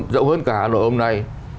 rộng hơn cả nội hôm nay